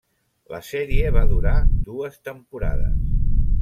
La sèrie va durar dues temporades.